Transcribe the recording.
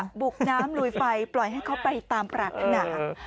บุกน้ำลุยไฟปล่อยให้เขาไปตามปรารถนา